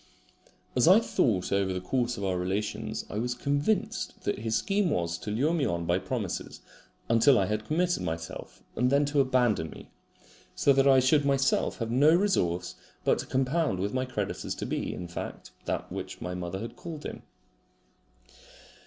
As I thought over the course of our relations I was convinced that his scheme was to lure me on by promises until I had committed myself, and then to abandon me, so that I should myself have no resource but to compound with my creditors to be, in fact, that which my mother had called him.